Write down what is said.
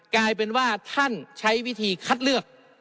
กลายเป็นว่าท่านใช้วิธีคัดเลือก